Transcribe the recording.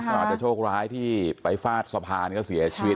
ก็อาจจะโชคร้ายที่ไปฟาดสะพานก็เสียชีวิต